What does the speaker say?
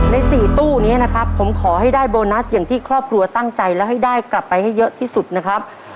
ใน๔ตู้นี้นะครับผมขอให้ได้โบนัสอย่างที่ครอบครัวตั้งใจแล้วให้ได้กลับไปให้เยอะที่สุดนะครับ